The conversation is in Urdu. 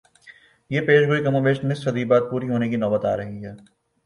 یہ پیشگوئی کم و بیش نصف صدی بعد پوری ہونے کی نوبت آ رہی ہے۔